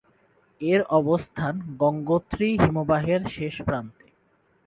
এর অবস্থান গঙ্গোত্রী হিমবাহের শেষ প্রান্তে।